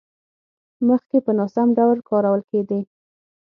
مخکې په ناسم ډول کارول کېدې.